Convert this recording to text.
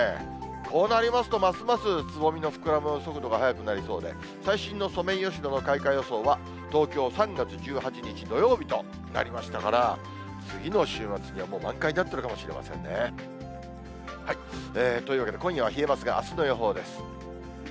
こうなりますと、ますますつぼみの膨らむ速度が速くなりそうで、最新のソメイヨシノの開花予想は東京３月１８日土曜日となりましたから、次の週末には、もう満開になってるかもしれませんね。というわけで今夜は冷えますが、あすの予報です。